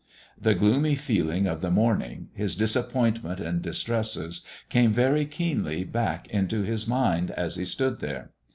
The gloomy feeling of the morning, his disappointment and distresses, came very keenly back into his mind as he stood there.